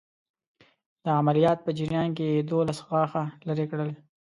د عملیات په جریان کې یې دوولس غاښه لرې کړل.